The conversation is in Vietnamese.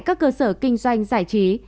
các cơ sở kinh doanh giải trí